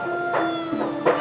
aku bisa kembali kembali kembali